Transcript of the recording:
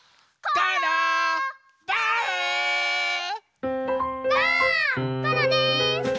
バウです！